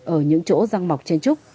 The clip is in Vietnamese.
ở những chỗ răng mọc trên trúc